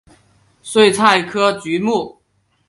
睡菜科及菊目。